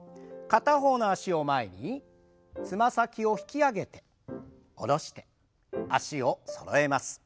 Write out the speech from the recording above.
片方の脚を前につま先を引き上げて下ろして脚をそろえます。